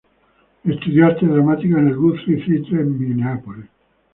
Estudió arte dramático en el Guthrie Theatre, en Minneapolis.